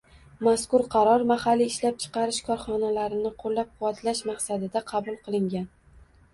Mazkur qaror mahalliy ishlab chiqarish korxonalarini qo‘llab-quvvatlash maqsadida qabul qilingan